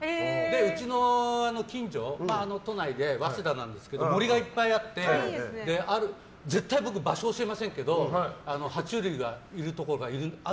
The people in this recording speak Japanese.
うちの近所都内で早稲田なんですけど森がいっぱいあって絶対僕、場所教えませんけど森に？